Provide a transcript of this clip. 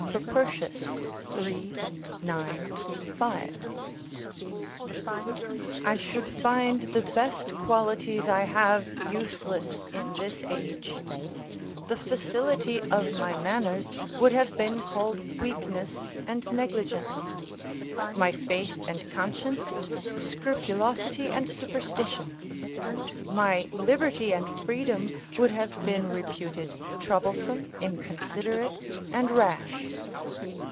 Propertius, iii. 9, 5.] I should find the best qualities I have useless in this age; the facility of my manners would have been called weakness and negligence; my faith and conscience, scrupulosity and superstition; my liberty and freedom would have been reputed troublesome, inconsiderate, and rash.